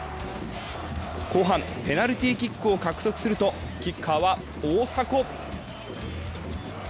後半、ペナルティーキックを獲得すると、キッカーは大迫。